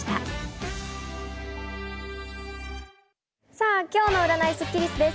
さぁ今日の占いスッキリすです。